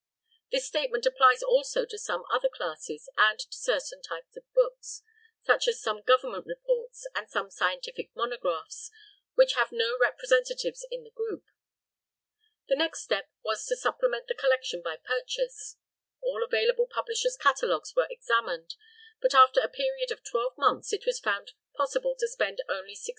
This statement applies also to some other classes, and to certain types of books, such as some government reports and some scientific monographs, which have no representatives in the group. The next step was to supplement the collection by purchase. All available publishers' catalogues were examined, but after a period of twelve months it was found possible to spend only $65.